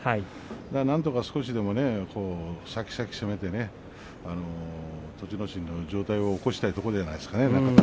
なんとか少しでも先に攻めて栃ノ心の上体を起こしたいところじゃないですか。